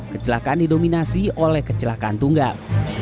kecelakaan didominasi oleh kecelakaan tunggal